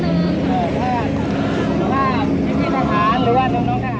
หรือว่าน้องทหาร